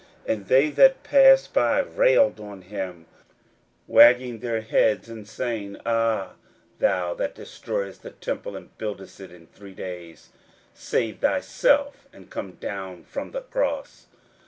41:015:029 And they that passed by railed on him, wagging their heads, and saying, Ah, thou that destroyest the temple, and buildest it in three days, 41:015:030 Save thyself, and come down from the cross.